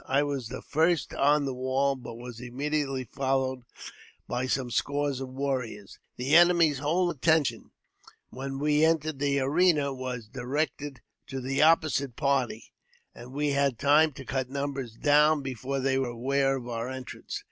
I was the first on the wall, but was immediately followed by some scores of warriors. The enemy's whole attention, when we entered the arena, was directed to the opposite party, and we had time to cut numbers down before they were aware of our entrance.